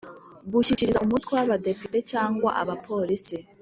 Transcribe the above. gushyikiriza Umutwe w Abadepite cyangwa aba polisi.